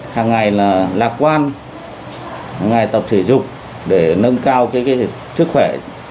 hằng ngày lạc quan hằng ngày tập thể dục để nâng cao chức khỏe